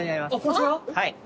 はい。